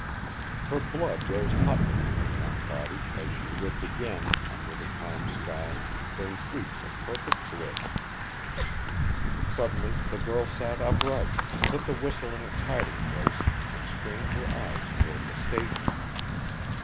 Her blood rose hotly in her young body, as she lived again, under the calm sky, those weeks of perfect bliss. Suddenly the girl sat upright, put the whistle in its hiding place, and strained her eyes toward the Station.